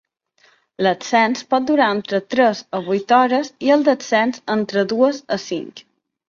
L'ascens pot durar d'entre tres a vuit hores i el descens entre dues a cinc.